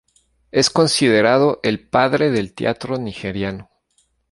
Es considerado el padre del teatro nigeriano.